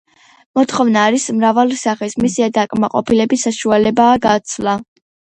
მოთხოვნა არის მრავალი სახის, მისი დაკმაყოფილების საშუალებაა გაცვლა.